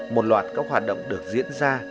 một loạt các hoạt động được diễn ra